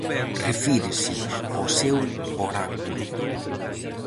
Refírese ao seu oráculo.